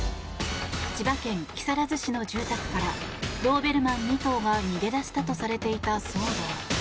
千葉県木更津市の住宅からドーベルマン２頭が逃げ出したとされていた騒動。